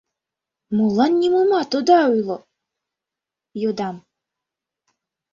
— Молан нимомат ода ойло? — йодам.